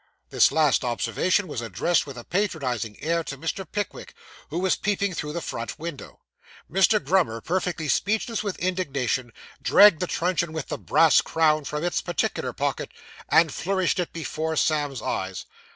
This last observation was addressed with a patronising air to Mr. Pickwick, who was peeping through the front window. Mr. Grummer, perfectly speechless with indignation, dragged the truncheon with the brass crown from its particular pocket, and flourished it before Sam's eyes.